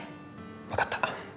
分かった。